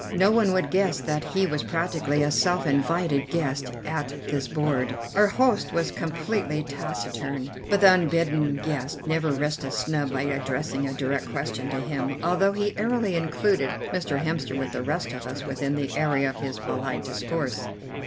No one would guess that he was practically a self invited guest at this board. Our host was completely taciturn, but the unbidden guest never risked a snub by addressing a direct question to him, although he airily included Mr. Hemster with the rest of us within the area of his polite discourse.